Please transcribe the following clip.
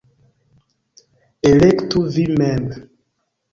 Elektu vi mem!